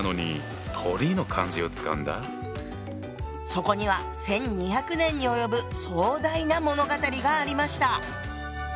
そこには１，２００年に及ぶ壮大な物語がありました！